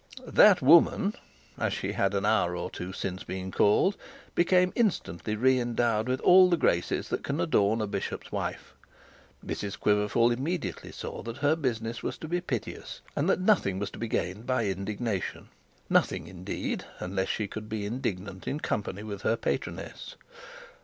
'That woman', as she had an hour or two since been called, became instantly re endowed with all the graces that can adorn a bishop's wife. Mrs Quiverful immediately saw that her business was to be piteous, and that nothing was to be gained by indignation; nothing, indeed, unless she could be indignant in company with her patroness.